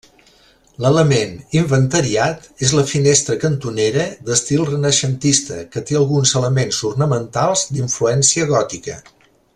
L'element inventariat és la finestra cantonera d'estil renaixentista, que té alguns elements ornamentals d'influència gòtica.